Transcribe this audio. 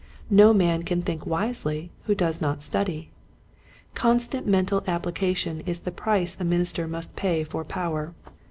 No man can think wisely who does not study. Constant mental application is the price a minister must pay for power.